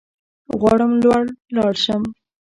غواړم لوړ لاړ شم